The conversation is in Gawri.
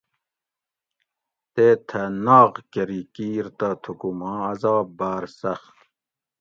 تے تھہ ناغکری کیر تہ تھوکو ماں عذاب باۤر سخت